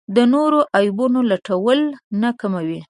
د نورو عیبونو لټول نه کموي.